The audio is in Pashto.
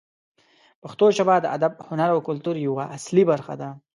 پښتو ژبه د ادب، هنر او کلتور یوه اصلي برخه ده.